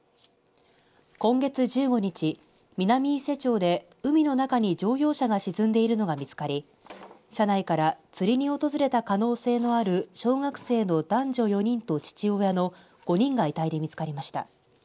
今月１５日南伊勢町で海の中に乗用車が沈んでいるのが見つかり車内から釣りに訪れた可能性のある小学生の男女４人と父親の５人が遺体で見つかりました。